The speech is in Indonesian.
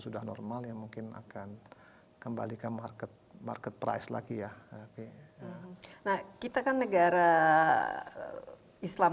sudah normal ya mungkin akan kembali ke market market price lagi ya nah kita kan negara islam